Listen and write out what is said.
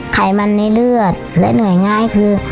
ไขมันในเลือดและเหนื่อยง่ายคือ